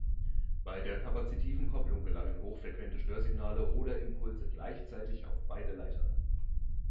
Bei der kapazitiven Kopplung gelangen hochfrequente Störsignale oder Impulse gleichzeitig auf beide Leiter.